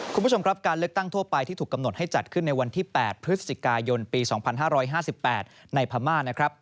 คุณผู้ชมครับการเลือกตั้งทั่วไปที่ถูกกำหนดให้จัดขึ้นในวันที่๘พฤศจิกายนปี๒๕๕๘ในพม่านะครับ